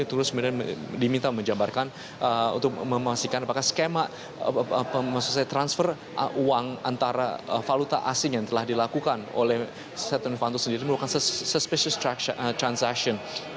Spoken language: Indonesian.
jadi terus kemudian diminta menjabarkan untuk memastikan apakah skema transfer uang antara valuta asing yang telah dilakukan oleh setia novanto sendiri merupakan suspicious transaction